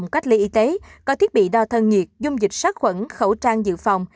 cách ly y tế có thiết bị đo thân nhiệt dung dịch sát khuẩn khẩu trang dự phòng